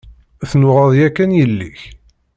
Tennuɣeḍ yakan yelli-k?